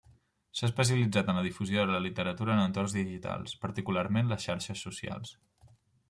S'ha especialitzat en la difusió de la literatura en entorns digitals, particularment les xarxes socials.